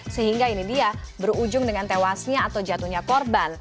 sehingga ini dia berujung dengan tewasnya atau jatuhnya korban